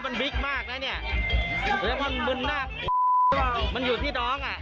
ไม่มีแม่มีอะไรก็ต้องมา